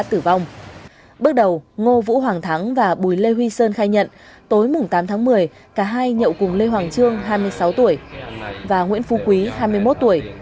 bước đầu ngô vũ hoàng thắng và bùi lê huy sơn khai nhận tối tám tháng một mươi cả hai nhậu cùng lê hoàng trương hai mươi sáu tuổi và nguyễn phú quý hai mươi một tuổi